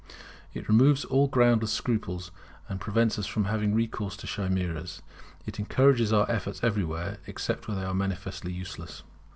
It removes all groundless scruples, and prevents us from having recourse to chimeras. It encourages our efforts everywhere, except where they are manifestly useless.